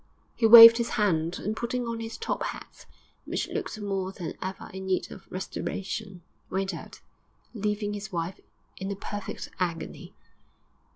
He waved his hand, and putting on his top hat, which looked more than ever in need of restoration, went out, leaving his wife in a perfect agony.